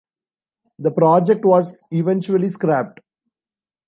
The project was eventually scrapped.